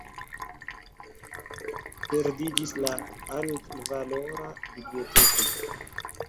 Perdiĝis la altvalora biblioteko.